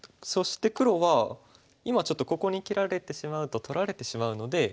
そして黒は今ちょっとここに切られてしまうと取られてしまうので。